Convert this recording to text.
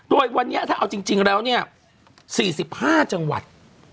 โดยวันนี้ถ้าเอาจริงแล้วเนี่ย๔๕จังหวัด